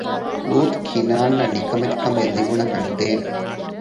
ލޫޠު ކިނާންއަށް ނިކަމެތި ކަމެއް ލިބުނަކަ ނުދޭނެ